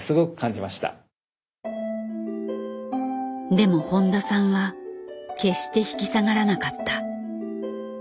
でも誉田さんは決して引き下がらなかった。